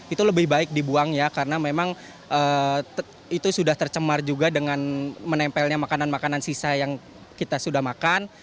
itu lebih baik dibuang ya karena memang itu sudah tercemar juga dengan menempelnya makanan makanan sisa yang kita sudah makan